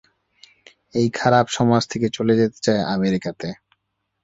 এই খারাপ সমাজ থেকে চলে যেতে চায় অ্যামেরিকাতে।